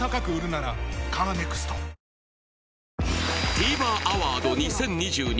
ＴＶｅｒアワード２０２２